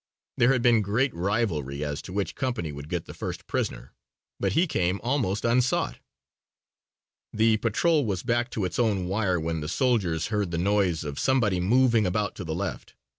There had been great rivalry as to which company would get the first prisoner, but he came almost unsought. The patrol was back to its own wire when the soldiers heard the noise of somebody moving about to the left.